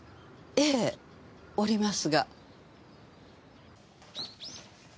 ええおりますが。